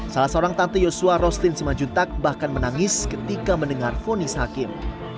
salah seorang tante yosua roslin semajuntak bahkan menangis ketika mendengar fonis hakim